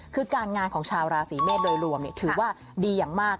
คือการงานของชาวราศีเมษโดยรวมถือว่าดีอย่างมาก